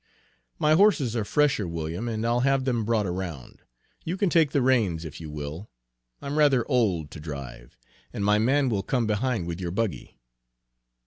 "My horses are fresher, William, and I'll have them brought around. You can take the reins, if you will, I'm rather old to drive, and my man will come behind with your buggy."